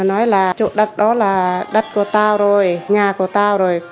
nó nói là chỗ đất đó là đất của tao rồi nhà của tao rồi